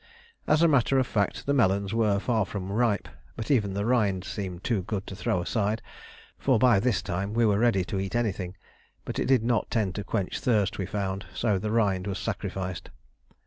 As a matter of fact, the melons were far from ripe; but even the rind seemed too good to throw aside, for by this time we were ready to eat anything: but it did not tend to quench thirst, we found, so the rind was sacrificed.